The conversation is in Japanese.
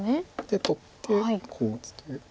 で取ってこう打つという。